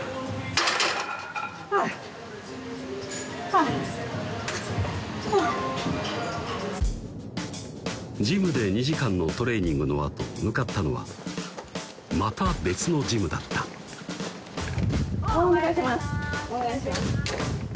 ハァハァハァジムで２時間のトレーニングのあと向かったのはまた別のジムだったおはようございますお願いします